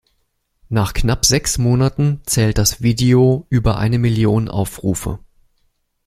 Nach knapp sechs Monaten zählt das Video über eine Million Aufrufe.